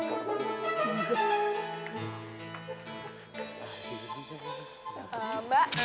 siapa aja surya